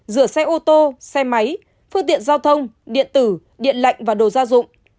rửa xe ô tô xe máy phương tiện giao thông điện tử điện lạnh và đồ gia dụng